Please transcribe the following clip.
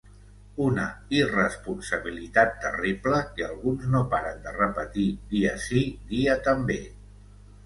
Una irresponsabilitat terrible que alguns no paren de repetir dia sí, dia també.